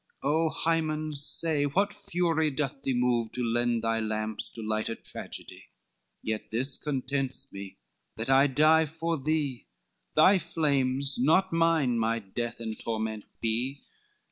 O Hymen, say, what fury doth thee move To lend thy lamps to light a tragedy? Yet this contents me that I die for thee, Thy flames, not mine, my death and torment be.